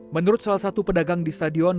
menurut salah satu pedagang di stadion